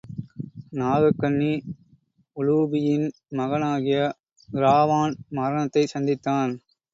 நாககன்னி உலூபியின் மகனாகிய இராவான் மரணத் தைச் சந்தித்தான்.